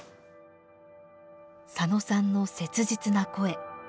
佐野さんの切実な声。